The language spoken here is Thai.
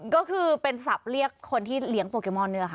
ก็คือเป็นศัพท์เรียกคนที่เลี้ยงโปเกมอนนี่แหละค่ะ